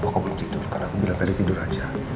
mama kok belum tidur karena aku bilang pada tidur aja